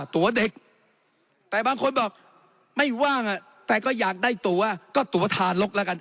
ตัวเด็กแต่บางคนบอกไม่ว่างแต่ก็อยากได้ตัวก็ตัวทารกแล้วกัน